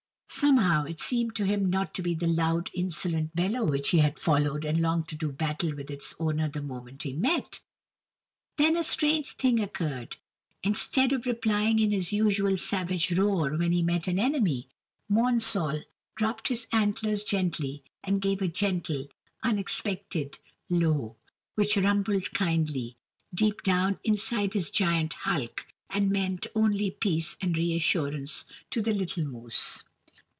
Somehow it seemed to him not to be the loud, insolent bellow which he had followed and longed to do battle with its owner the moment he met. Then a strange thing occurred; instead of replying in his usual savage roar when he met an enemy, Monsall dropped his antlers gently and gave a gentle, unexpected low, which rumbled kindly, deep down inside his giant hulk, and meant only peace and reassurance to the little moose.